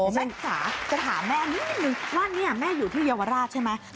แม่จ๋าจะถามแม่นิดนึงว่านี่แม่อยู่ที่เยาวราชใช่ไหม